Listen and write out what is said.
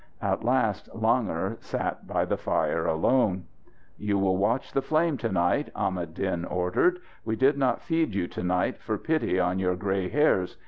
At last Langur sat by the fire alone. "You will watch the flame to night," Ahmad Din ordered. "We did not feed you to night for pity on your grey hairs.